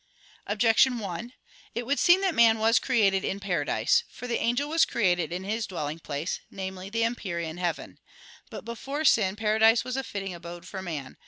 Objection 1: It would seem that man was created in paradise. For the angel was created in his dwelling place namely, the empyrean heaven. But before sin paradise was a fitting abode for man.